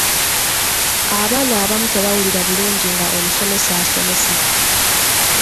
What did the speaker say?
Abaana abamu tebawulira bulungi nga omusomesa asomesa.